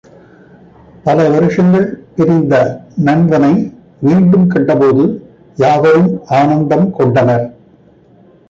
பல வருஷங்கள் பிரிந்த நண்பனை மீண்டும் கண்டபோது யாவரும் ஆனந்தம் கொண்டனர்.